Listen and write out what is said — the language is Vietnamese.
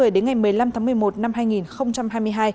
đến ngày một mươi năm tháng một mươi một năm hai nghìn hai mươi hai